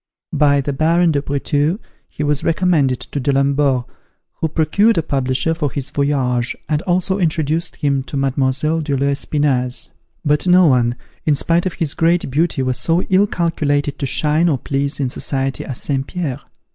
By the Baron de Breteuil he was recommended to D'Alembert, who procured a publisher for his "Voyage," and also introduced him to Mlle. de l'Espinasse. But no one, in spite of his great beauty, was so ill calculated to shine or please in society as St. Pierre.